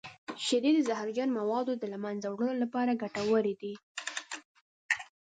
شیدې د زهرجن موادو د له منځه وړلو لپاره ګټورې دي.